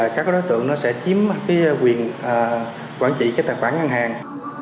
các đối tượng sẽ chiếm quyền quản trị tài khoản ngân hàng